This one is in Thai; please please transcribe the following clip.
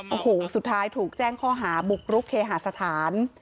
โอ้โหสุดท้ายถูกแจ้งข้อหาบุกรุกเคหาสถาน